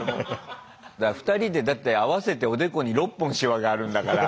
２人でだって合わせておでこに６本シワがあるんだから。